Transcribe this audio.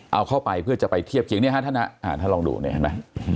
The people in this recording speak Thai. เอาเข้าไปเพื่อจะไปเทียบอย่างนี้ฮะท่านฮะท่านลองดูนี่ฮะ